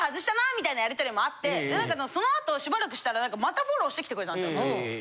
みたいなやり取りもあってそのあとしばらくしたらまたフォローしてきてくれたんですよ。